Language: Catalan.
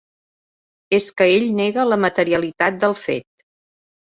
És que ell nega la materialitat del fet.